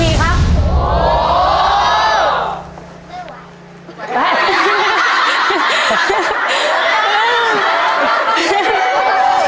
ไม่ไหว